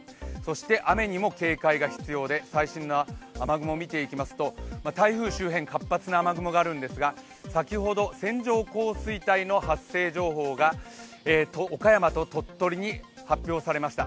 雨にも警戒が必要で最新の雨雲を見ていきますと台風周辺、活発な雨雲があるんですが、先ほど線状降水帯の発生情報が岡山と鳥取に発表されました。